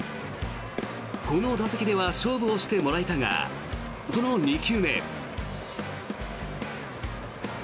この打席では勝負をしてもらえたがその２球目。